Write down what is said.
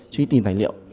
truy tìm tài liệu